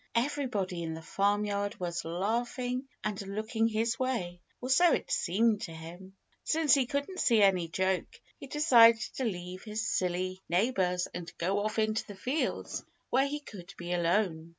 Everybody in the farmyard was laughing and looking his way or so it seemed to him. Since he couldn't see any joke, he decided to leave his silly neighbors and go off into the fields where he could be alone.